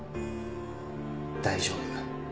「大丈夫。